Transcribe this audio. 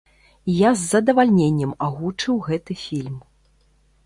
Я з задавальненнем агучыў гэты фільм.